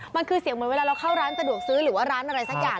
มันคือเสียงเหมือนเวลาเราเข้าร้านสะดวกซื้อหรือว่าร้านอะไรสักอย่าง